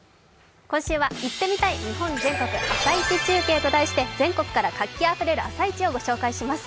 今週は行ってみたい日本全国朝市中継と題しまして、全国から活気あふれる朝市をご紹介します。